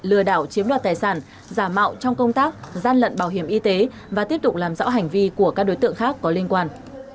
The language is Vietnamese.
lừa đảo chiếm đoạt tài sản giả mạo trong công tác gian lận bảo hiểm y tế và tiếp tục làm rõ hành vi của các đối tượng khác có liên quan